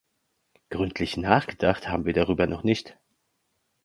Gründlich nachgedacht haben wir darüber noch nicht.